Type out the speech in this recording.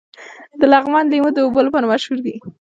د لغمان لیمو د اوبو لپاره مشهور دي.